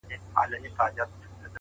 د زړه صفا د روح ښکلا ده